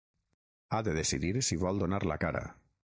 Ha de decidir si vol donar la cara.